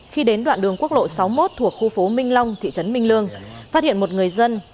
khi đến đoạn đường quốc lộ sáu mươi một thuộc khu phố minh long thị trấn minh lương phát hiện một người dân